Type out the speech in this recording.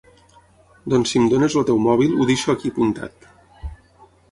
Doncs si em dones el teu mòbil ho deixo aquí apuntat.